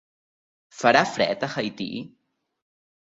Farà fred a Haití?